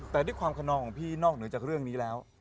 แต่ด้วยความขนองของพี่นอกเหนือจากเรื่องนี้แล้ว